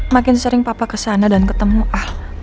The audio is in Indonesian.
makin sering papa kesana dan ketemu ar